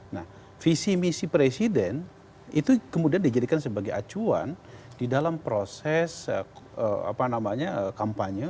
nah visi misi presiden itu kemudian dijadikan sebagai acuan di dalam proses kampanye